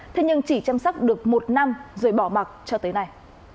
thế nhưng chỉ chăm sóc được một năm rồi bỏ mặt cho tới nay